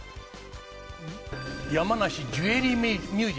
山梨ジュエリーミュージアム？